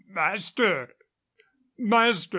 "Master! Master!